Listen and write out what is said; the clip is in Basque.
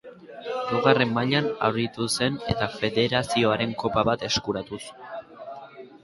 Hirugarren mailan aritu zen eta Federazioaren Kopa bat eskuratuz.